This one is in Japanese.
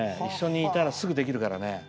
一緒にいたらすぐできるからね。